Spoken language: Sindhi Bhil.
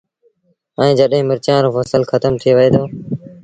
ائيٚݩ جڏهيݩ مرچآݩ رو ڦسل کتم ٿئي وهي دو